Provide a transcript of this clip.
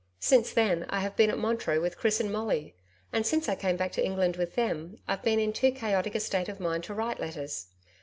Since then I have been at Montreux with Chris and Molly, and since I came back to England with them, I've been in too chaotic a state of mind to write letters.